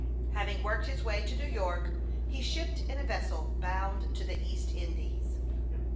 Having worked his way to New York, he shipped in a vessel bound to the East Indies.